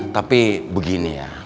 tapi begini ya